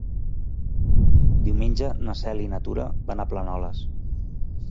Diumenge na Cel i na Tura van a Planoles.